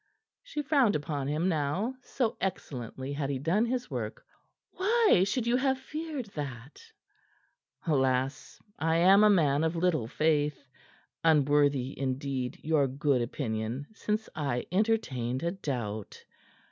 She frowned upon him now, so excellently had he done his work. "Why should you have feared that?" "Alas! I am a man of little faith unworthy, indeed, your good opinion since I entertained a doubt.